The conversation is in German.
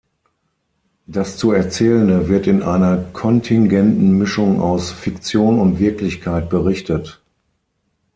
Das zu Erzählende wird in einer kontingenten Mischung aus „Fiktion und Wirklichkeit“ berichtet.